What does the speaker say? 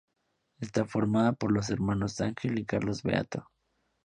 Está formada por los hermanos Ángel y Carlos Beato.